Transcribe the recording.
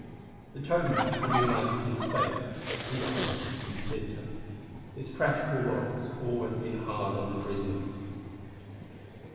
The tone matched the new lines in his face deep lines and bitter. This practical world has always been hard on the dreamers.